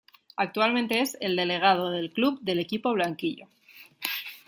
Actualmente es el de delegado de club del equipo blanquillo.